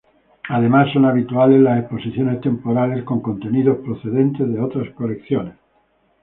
Además, son habituales las exposiciones temporales con contenidos procedentes de otras colecciones.